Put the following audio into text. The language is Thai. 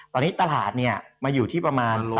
ตอนนี้ตลาดเนี่ยมาอยู่ที่ประมาณ